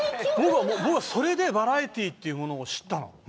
それでバラエティーというものを知ったの。